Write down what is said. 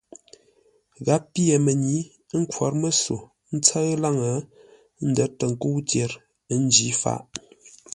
Gháp pyê mənyǐ, ə́ nkhwǒr məsô ńtsə́ʉ laŋə́ ə́ ndə́r tə nkə́u tyer, ə́ njǐ faʼ.